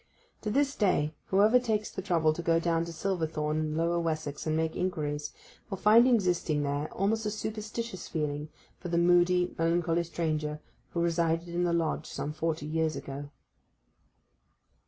To this day whoever takes the trouble to go down to Silverthorn in Lower Wessex and make inquiries will find existing there almost a superstitious feeling for the moody melancholy stranger who resided in the Lodge some forty years ago.